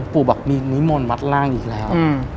ปู่บอกมีมนต์วัดล่างอีกแล้ว